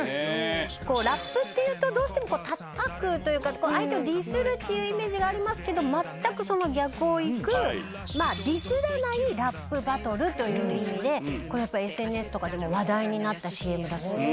ラップっていうとたたくというか相手をディスるっていうイメージがありますけどまったくその逆をいくディスらないラップバトルという意味でＳＮＳとかでも話題になったＣＭだそうです。